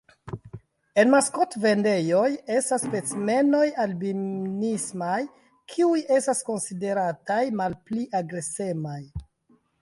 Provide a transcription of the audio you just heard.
En maskotvendejoj estas specimenoj albinismaj kiuj estas konsiderataj malpli agresemaj.